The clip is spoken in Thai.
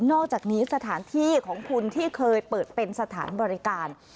อกจากนี้สถานที่ของคุณที่เคยเปิดเป็นสถานบริการ